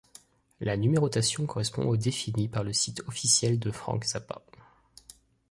La numérotation correspond aux définies par le site officiel de Frank Zappa.